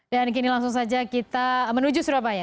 dan kini langsung saja kita menuju surabaya